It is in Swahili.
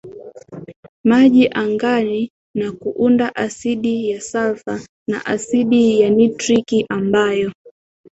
maji angani na kuunda asidi ya salfa na asidi ya nitriki ambayo